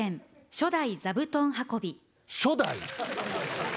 初代？